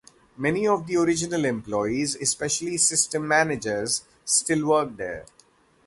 Many of the original employees, especially system managers, still work there.